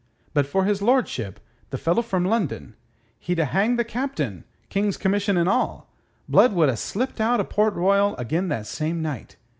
But for his lordship, the fellow from London, he'd ha' hanged the Captain, King's commission and all. Blood would ha' slipped out o' Port Royal again that same night.